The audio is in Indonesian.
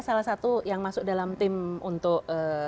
salah satu yang masuk dalam tim untuk